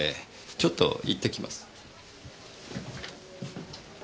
ちょっと行ってきます。